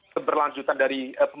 keberlanjutan dari pemerintahan